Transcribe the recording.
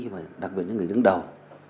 và đặc biệt những người đứng đầu